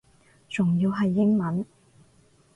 仲要係英文